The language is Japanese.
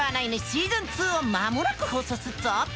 シーズン２を間もなく放送すっぞ！